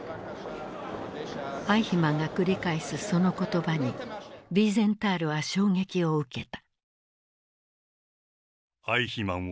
アイヒマンが繰り返すその言葉にヴィーゼンタールは衝撃を受けた。